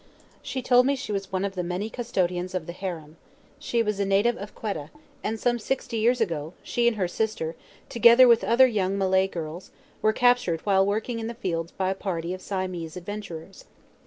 She told me she was one of the many custodians of the harem. She was a native of Quedah; and "some sixty years ago," she and her sister, together with other young Malay girls, were captured while working in the fields by a party of Siamese adventurers.